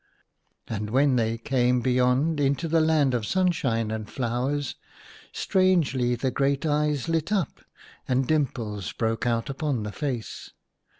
And when they came beyond, into the 1 8 THE LOST JOY. land of sunshine and flowers, strangely the great eyes lit up, and dimples broke out upon the face.